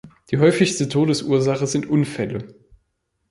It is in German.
Die häufigsten Todesursache sind Unfälle.